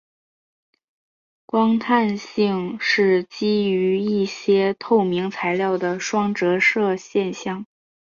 光弹性是基于一些透明材料的双折射现象。